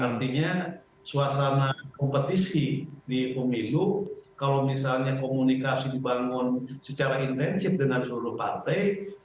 artinya suasana kompetisi di pemilu kalau misalnya komunikasi dibangun secara intensif ya akan datang